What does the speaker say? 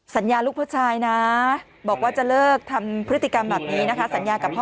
สัญญาลูกผู้ชายนะบอกว่าจะเลิกทำพฤติกรรมแบบนี้นะคะ